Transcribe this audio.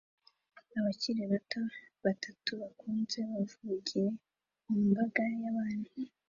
Abakiri bato batatu bakuze bavugira mu mbaga y'abantu